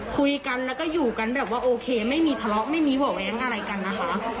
คุยกันแล้วก็อยู่กันแบบว่าโอเคไม่มีทะเลาะไม่มีบ่อแว้งอะไรกันนะคะ